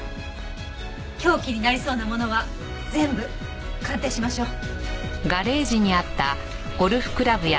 凶器になりそうな物は全部鑑定しましょう。